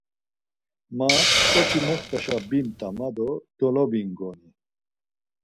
Ma ǩoçi moxtaşa bimt̆a ma do dolobingoni.